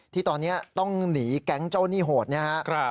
ที่ตอนนี้ต้องหนีแก๊งเจ้าหนี้โหดนะครับ